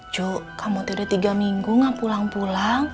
cuk kamu tidur tiga minggu gak pulang pulang